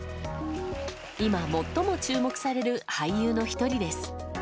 今、最も注目される俳優の１人です。